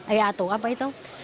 eh atau apa itu